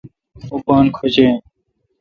اوں پان کھوش این